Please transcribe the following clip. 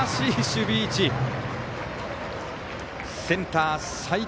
センターへ！